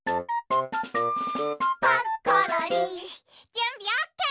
じゅんびオッケー！